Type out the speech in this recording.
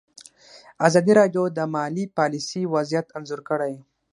ازادي راډیو د مالي پالیسي وضعیت انځور کړی.